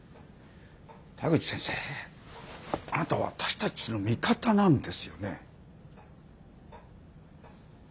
田口先生あなた私たちの味方なんですよね？